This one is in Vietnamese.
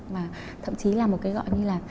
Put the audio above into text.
và thậm chí là một cái gọi như là